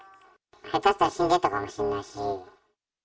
下手したら死んでたかもしれないし。